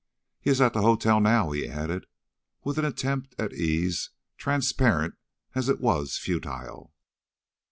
"He is at the hotel now," he added, with an attempt at ease, transparent as it was futile.